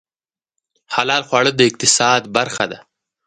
حلال خواړه د اقتصاد برخه ده